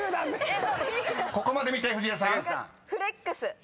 「フレックス」！